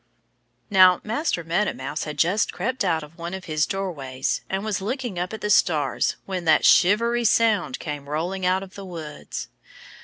_" Now, Master Meadow Mouse had just crept out of one of his doorways and was looking up at the stars when that shivery sound came rolling out of the woods.